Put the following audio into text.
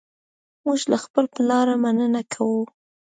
موږ له خپل پلار مننه کوو.